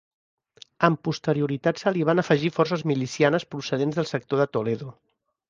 Amb posterioritat se li van afegir forces milicianes procedents del sector de Toledo.